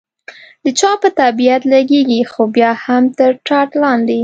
د چا په طبیعت لګېږي، خو بیا هم تر ټاټ لاندې.